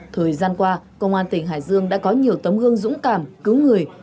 thời gian qua công an tỉnh hải dương đã có nhiều tấm gương dũng cảm cứu người